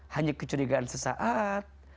hanya kecurigaan sesaat